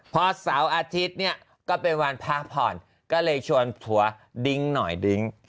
พอเสาร์อาทิตย์เนี่ยก็เป็นวันพระผ่อนก็เลยชวนผัวดิ้งหน่อยดิ้ง